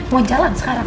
mau jalan sekarang